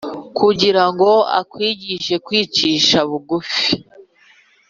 kugira ngo akwigishe kwicisha bugufi,